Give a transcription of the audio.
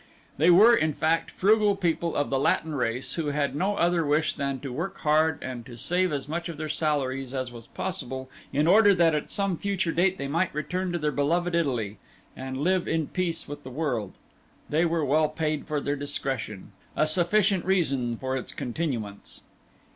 They were, in fact, frugal people of the Latin race who had no other wish than to work hard and to save as much of their salaries as was possible in order that at some future date they might return to their beloved Italy, and live in peace with the world; they were well paid for their discretion, a sufficient reason for its continuance.